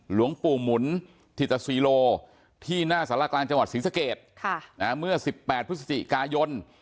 หลวงปู่หมุนทิตาซีโลที่หน้าสละกลางจังหวัดศรีสะเกตค่ะนะเมื่อสิบแปดพฤติกายน